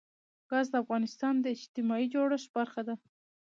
ګاز د افغانستان د اجتماعي جوړښت برخه ده.